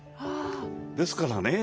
ですからね